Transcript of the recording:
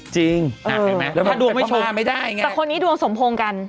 ถ้าดุงไม่ถูกพระพระไม่ได้แต่คนนี้ดวงสมโพงกัน